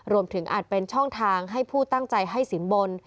อาจเป็นช่องทางให้ผู้ตั้งใจให้สินบน